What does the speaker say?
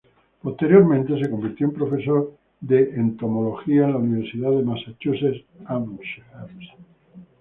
Posteriormente se convirtió en profesor de entomología en la Universidad de Massachusetts Amherst.